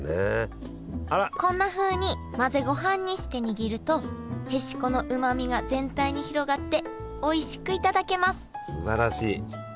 こんなふうに混ぜごはんにして握るとへしこのうまみが全体に広がっておいしく頂けます